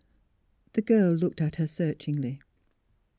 The girl looked at her searehingly.